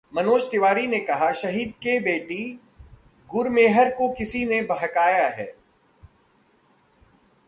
मनोज तिवारी ने कहा- शहीद के बेटी गुरमेहर को किसी ने बहकाया है